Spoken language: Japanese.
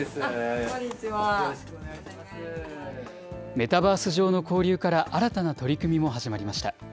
メタバース上の交流から、新たな取り組みも始まりました。